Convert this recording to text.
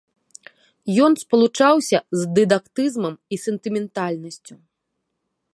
Ён спалучаўся з дыдактызмам і сентыментальнасцю.